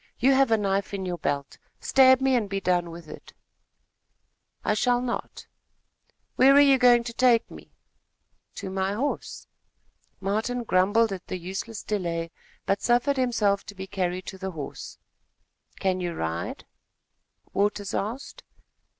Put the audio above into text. You have a knife in your belt. Stab me, and be done with it." "I shall not." "Where are you going to take me?" "To my horse." Martin grumbled at the useless delay, but suffered himself to be carried to the horse. "Can you ride?" Waters asked.